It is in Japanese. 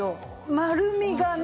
丸みがね